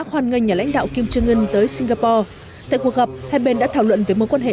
gặp lại nhà lãnh đạo kim jong un tới singapore tại cuộc gặp hai bên đã thảo luận về mối quan hệ